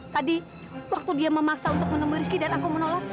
tadi waktu dia memaksa untuk menemui rizky dan aku menolak